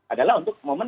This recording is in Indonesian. adalah untuk momen